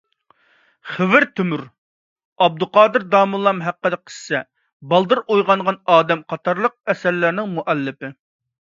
خېۋىر تۆمۈر «ئابدۇقادىر داموللام ھەققىدە قىسسە»، «بالدۇر ئويغانغان ئادەم» قاتارلىق ئەسەرلەرنىڭ مۇئەللىپى.